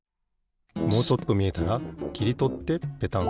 もうちょっとみえたらきりとってペタン。